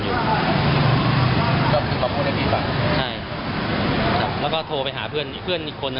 อยากบอกรุกรุก